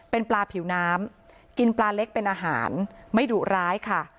เป็นปลาผิวน้ำกินปลาเล็กเป็นอาหารไม่ดุร้ายค่ะ